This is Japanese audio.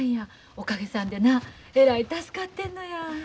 おかげさんでなえらい助かってんのや。